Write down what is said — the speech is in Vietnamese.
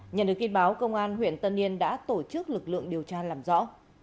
nhận được kinh báo công an huyện tân niên đã tổ chức lực lượng điều tra làm rõ